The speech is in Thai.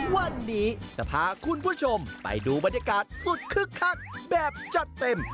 วันนี้จะพาคุณผู้ชมไปดูบรรยากาศสุดคึกคักแบบจัดเต็ม